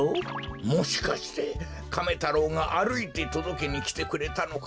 もしかしてカメ太郎があるいてとどけにきてくれたのか？